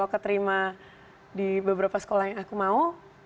keterima di beberapa sekolah yang aku mau